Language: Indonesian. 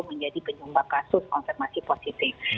menjadi penyumbang kasus konfirmasi positif